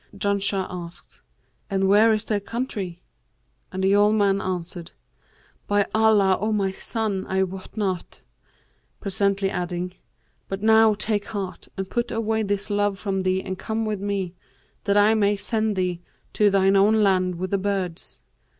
Janshah asked, 'And where is their country?'; and the old man answered, 'By Allah, O my son, I wot not:' presently adding, 'but now take heart and put away this love from thee and come with me, that I may send thee to thine own land with the birds.'